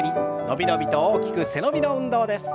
伸び伸びと大きく背伸びの運動です。